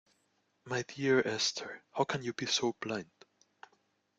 My dear Esther, how can you be so blind?